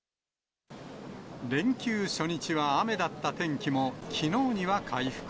連休初日は雨だった天気も、きのうには回復。